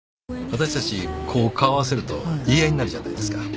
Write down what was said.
私たちこう顔合わせると言い合いになるじゃないですか。